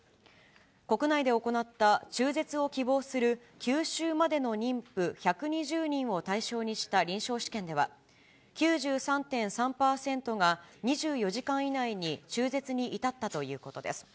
国内で行った中絶を希望する９週までの妊婦１２０人を対象にした臨床試験では、９３．３％が２４時間以内に中絶に至ったということです。